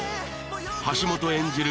橋本演じる